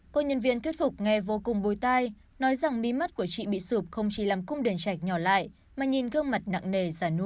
cô nhân viên thuyết phục nghe vô cùng bôi tai nói rằng mí mắt của chị bị sụp không chỉ làm cung đường chạch nhỏ lại mà nhìn gương mặt nặng nề giả nu